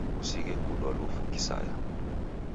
Kusighe kudwa lufu kisaya.